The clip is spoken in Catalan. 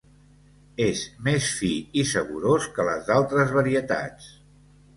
És més fi i saborós que les d’altres varietats.